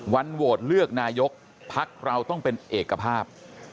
วันโหวตเลือกนายกพักเราต้องเป็นเอกภาพ